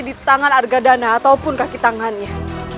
di tangan argadana ataupun kaki tangannya